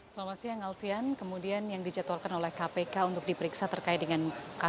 selamat siang alvian kemudian yang dijadwalkan oleh kpk untuk diperiksa terkait dengan mekarta